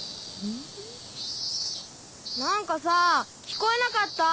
何かさぁ聞こえなかった？